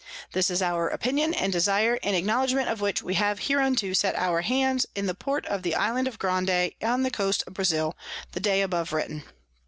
This is our Opinion and Desire, in acknowledgment of which we have hereunto set our Hands in the Port of the Island of_ Grande on the Coast of Brazile, the Day above written.